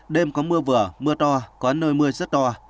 đêm có mưa vừa mưa to có nơi mưa rất to